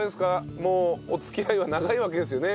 もうお付き合いは長いわけですよね？